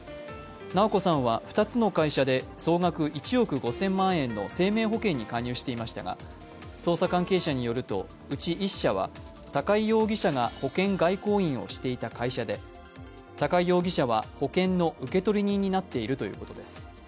直子さんは２つの会社で総額１億５０００万円の生命保険に加入していましたが捜査関係者によるとうち１社は高井容疑者が保険外交員をしていた会社で高井容疑者は保険の受取人になっているということです。